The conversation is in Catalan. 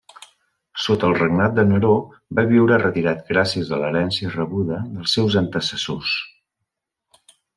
Sota el regnat de Neró va viure retirat gràcies a l'herència rebuda dels seus antecessors.